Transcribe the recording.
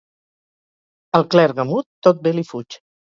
Al clergue mut tot bé li fuig.